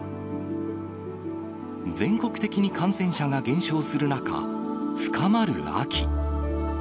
全国的に感染者が減少する中、深まる秋。